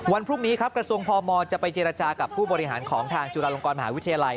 วันพรุ่งนี้ครับกระทรวงพมจะไปเจรจากับผู้บริหารของทางจุฬาลงกรมหาวิทยาลัย